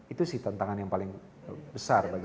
itu sih tantangan yang paling besar